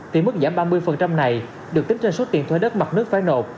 thì mức giảm ba mươi này được tính trên số tiền thuê đất mặt nước phải nộp